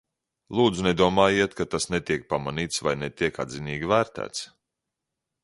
Lūdzu, nedomājiet, ka tas netiek pamanīts vai netiek atzinīgi vērtēts.